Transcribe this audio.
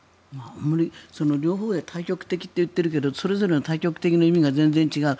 両方で大局的と言っているけどそれぞれの大局的の意味が全然違う。